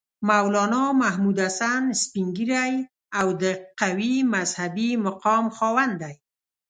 مولنا محمودالحسن سپین ږیری او د قوي مذهبي مقام خاوند دی.